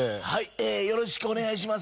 ええよろしくお願いします。